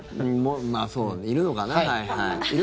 まあ、いるのかな。